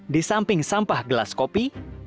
di samping sampah gelas kopi